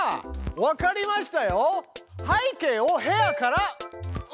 分かりました！